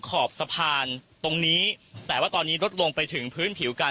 ขอบสะพานตรงนี้แต่ว่าตอนนี้ลดลงไปถึงพื้นผิวการ